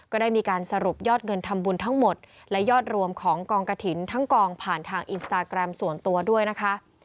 ก็ได้มีการสรุปยอดเงินทำบุญทั้งหมดและยอดรวมของกองกระถิ่นทั้งกองผ่านทางอินสตาแกรมส่วนตัวด้วยนะคะ